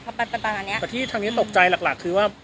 ประมาณเนี้ยแต่ที่ทางนี้ตกใจหลักหลักคือว่า